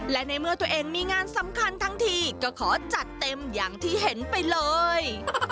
และในเมื่อตัวเองมีงานสำคัญทั้งทีก็ขอจัดเต็มอย่างที่เห็นไปเลย